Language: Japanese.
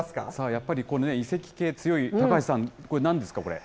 やっぱり、遺跡系、強い高橋さん、これ、なんですか、これ。